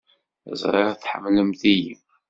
Ẓriɣ tḥemmlemt-iyi.